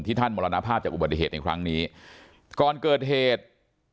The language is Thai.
ท่านมรณภาพจากอุบัติเหตุในครั้งนี้ก่อนเกิดเหตุ